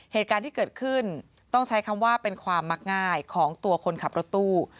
เหตุการณ์ที่เกิดขึ้นต้องใช้คำว่าเป็นความมักง่ายของตัวคนขับรถตู้